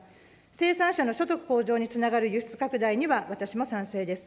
生産者の所得向上につながる輸出拡大には私も賛成です。